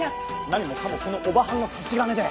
何もかもこのオバハンの差し金で。